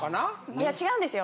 いや違うんですよ。